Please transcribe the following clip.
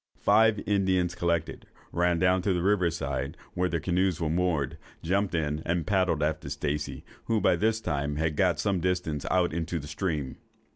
Five Indians collected, ran down to the river side, where their canoes were moored, jumped in, and paddled after Stacey, who by this time had got some distance out into the stream.